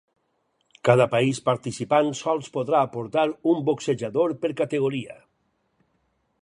Cada país participant sols podrà aportar un boxejador per categoria.